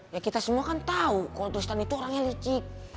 ya kita semua kan tahu kontestan itu orangnya licik